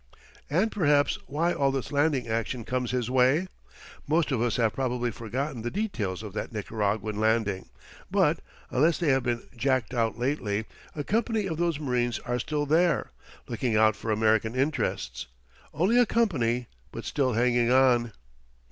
And perhaps why all this landing action comes his way? Most of us have probably forgotten the details of that Nicaraguan landing; but unless they have been jacked out lately a company of those marines are still there, looking out for American interests. Only a company, but still hanging on.